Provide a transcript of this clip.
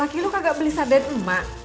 lagi lu kagak beli sarden emak